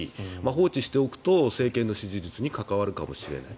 放置しておくと政権の支持率に関わるかもしれない。